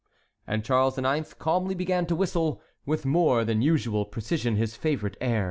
And Charles IX. calmly began to whistle, with more than usual precision, his favorite air.